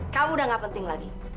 kamu udah gak penting lagi